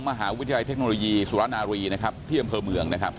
มหาวิทยาลัยเทคโนโลยีสุรนารีนะครับที่อำเภอเมืองนะครับ